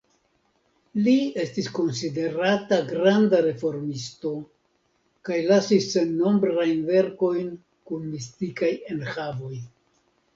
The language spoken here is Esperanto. Li estis konsiderata granda reformisto kaj lasis sennombrajn verkojn kun mistikaj enhavoj.